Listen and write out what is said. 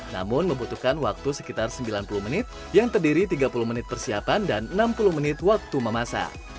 namun membutuhkan waktu sekitar sembilan puluh menit yang terdiri tiga puluh menit persiapan dan enam puluh menit waktu memasak